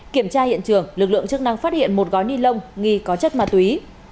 kiểm tra hiện trường lực lượng chức năng phát hiện một gói ni lông nghi có chất ma túy